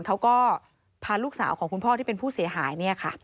เขาก็พาลูกสาวของคุณพ่อที่เป็นผู้เสียหาย